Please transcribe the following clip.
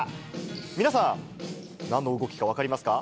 皆さん、なんの動きか分かりますか？